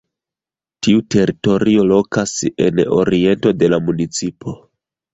Tiu teritorio lokas en oriento de la municipo.